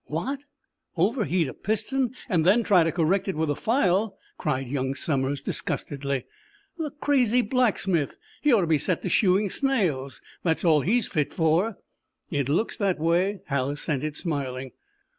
"What? Overheat a piston, and then try to correct it with a file?" cried young Somers, disgustedly. "The crazy blacksmith! He ought to be set to shoeing snails—that's all he's fit for." "It looks that way," Hal assented, smiling.